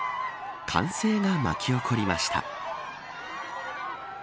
歓声が巻き起こりました。